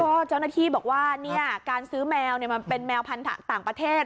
ก็เจ้าหน้าที่บอกว่าการซื้อแมวมันเป็นแมวพันธุ์ต่างประเทศ